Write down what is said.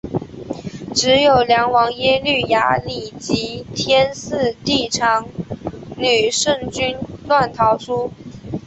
只有梁王耶律雅里及天祚帝长女乘军乱逃去。